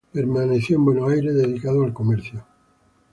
Permaneció en Buenos Aires, dedicado al comercio.